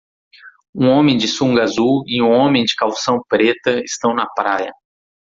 Um homem de sunga azul e um homem de calção preta estão na praia.